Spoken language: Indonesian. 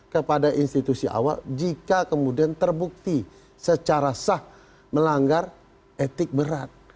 kepada institusi awal jika kemudian terbukti secara sah melanggar etik berat